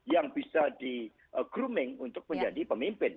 yang bisa di grooming untuk menjadi pemimpin